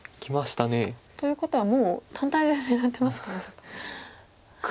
ということはもう単体で狙ってますかまさか。